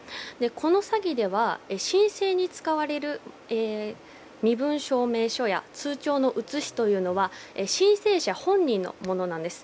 この詐欺では申請に使われる身分証明書や通帳の写しというのは申請者本人のものなんです。